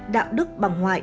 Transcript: đạo đức bằng hình ảnh nhân tính